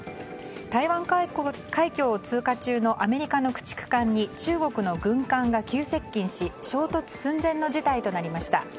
台湾海峡を通過中のアメリカの駆逐艦に中国の軍艦が急接近し衝突寸前の事態となりました。